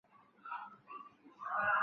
第八层是电梯机房和水箱等用房。